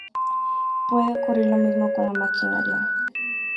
Puede ocurrir lo mismo con la maquinaria.